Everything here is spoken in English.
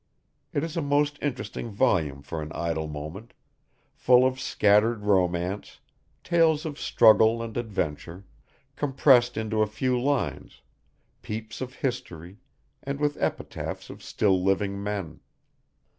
It is a most interesting volume for an idle moment, full of scattered romance, tales of struggle and adventure, compressed into a few lines, peeps of history, and the epitaphs of still living men.